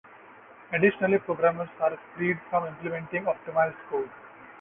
Additionally, programmers are freed from implementing optimized code.